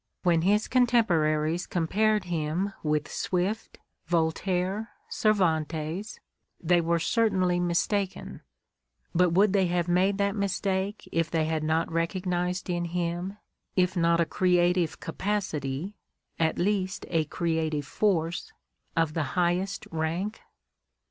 When his contemporaries compared him with Swift, Voltaire, Cer vantes, they were certainly mistaken; but would they have made that mistake if they had not recognized in him, if not a creative capacity, at least a creative force, of the highest rank?